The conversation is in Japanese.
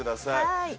はい！